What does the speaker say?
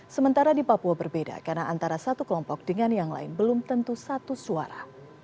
sementara di papua berbeda karena antara satu kelompok dengan yang lain belum tentu satu suara